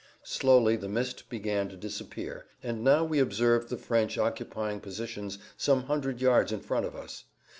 Slowly the mist began to disappear, and now we observed the French occupying positions some hundred yards in front of us.